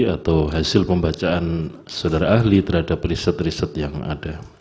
atau hasil pembacaan saudara ahli terhadap riset riset yang ada